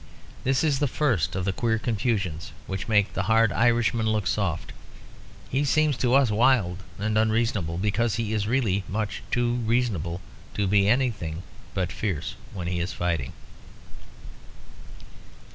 This is the first of the queer confusions which make the hard Irishman look soft. He seems to us wild and unreasonable because he is really much too reasonable to be anything but fierce when he is fighting.